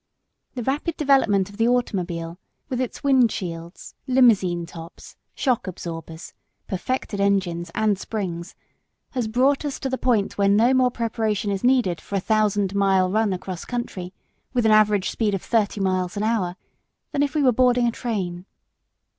The rapid development of the automobile, with its windshields, limousine tops, shock absorbers, perfected engines and springs, has brought us to the point where no more preparation is needed for a thousand mile run across country with an average speed of thirty miles an hour, than if we were boarding a train.